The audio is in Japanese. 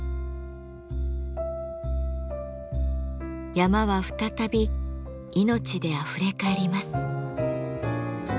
山は再び命であふれかえります。